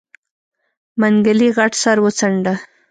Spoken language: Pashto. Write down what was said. منګلي غټ سر وڅنډه.